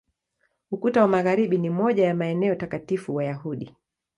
Ukuta wa Magharibi ni moja ya maeneo takatifu Wayahudi.